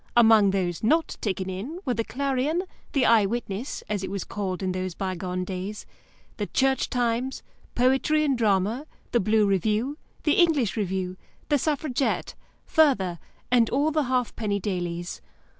Among those not taken in were the Clarion, the Eye Witness (as it was called in those bygone days) the Church Times, Poetry and Drama, the Blue Review, the English Review, the Suffragette, Further, and all the halfpenny dailies.